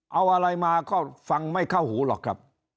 เอาอะไรมาก็ฟังไม่เข้าหูหรอกครับ